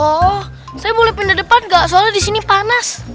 oh saya boleh pindah depan gak soalnya di sini panas